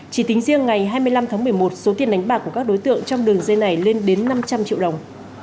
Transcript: chỉ tính riêng ngày hai mươi năm tháng một mươi một số tiền đánh bạc của các đối tượng trong đường dây này lên đến năm trăm linh triệu đồng